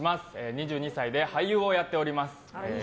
２２歳で俳優をやっております。